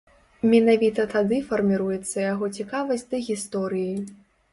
Менавіта тады фарміруецца яго цікавасць да гісторыі.